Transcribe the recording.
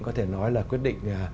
có thể nói là quyết định